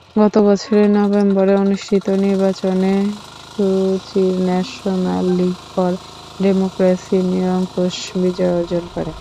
গত বছরের নভেম্বরে অনুষ্ঠিত নির্বাচনে সু চির ন্যাশনাল লিগ ফর ডেমোক্রেসি নিরঙ্কুশ বিজয় অর্জন করে।